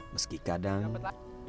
meski kadang mereka suka bertengkar juga